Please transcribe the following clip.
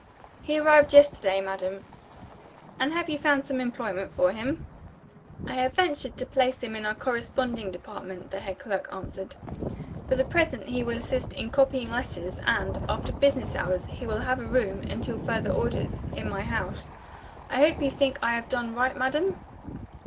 "He arrived yesterday, madam." "And have you found some employment for him?" "I have ventured to place him in our corresponding department," the head clerk answered. "For the present he will assist in copying letters; and, after business hours, he will have a room (until further orders) in my house. I hope you think I have done right, madam?"